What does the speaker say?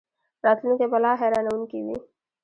راتلونکی به لا حیرانوونکی وي.